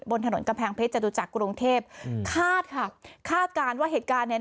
บนถนนกำแพงเพชรจตุจักรกรุงเทพอืมคาดค่ะคาดการณ์ว่าเหตุการณ์เนี้ย